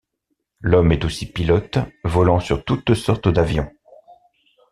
L'homme est aussi pilote, volant sur toutes sortes d'avions.